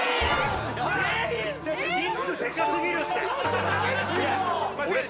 リスクでかすぎるって！